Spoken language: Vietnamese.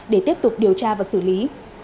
để tiếp tục điều tra và xử lý